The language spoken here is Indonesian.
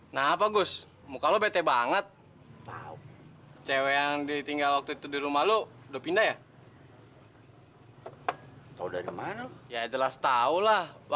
tapi kayak kaya ini tuh tinggal di inconsisten pass